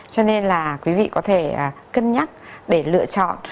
cho nên là quý vị có thể cân nhắc để lựa chọn